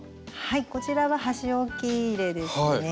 はいこちらは箸置き入れですね。